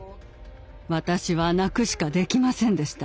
私は泣くしかできませんでした。